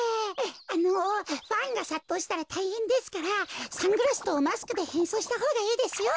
あのファンがさっとうしたらたいへんですからサングラスとマスクでへんそうしたほうがいいですよ。